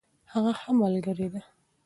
هغه ښه ملګرې ده.